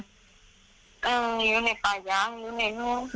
มันมีอยู่ในป่ายางอยู่ในนู้น